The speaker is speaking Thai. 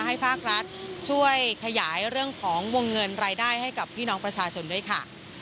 ให้ภาครัฐช่วยขยายเรื่องของวงเงินรายได้ให้กับพี่น้องประชาชนด้วยค่ะ